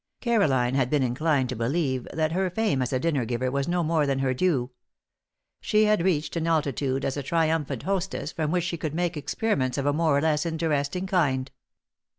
Caroline had been inclined to believe that her fame as a dinner giver was no more than her due. She had reached an altitude as a triumphant hostess from which she could make experiments of a more or less interesting kind.